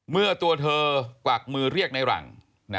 เมื่อตัวเธอกวักมือเรียกในหลัง